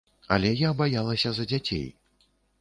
Але я баялася за дзяцей.